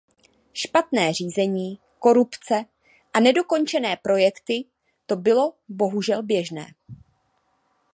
Špatné řízení, korupce a nedokončené projekty, to bylo bohužel běžné.